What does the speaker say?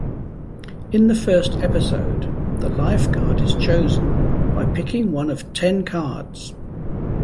In the first episode, the Lifeguard is chosen by picking one of ten cards.